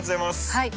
はい。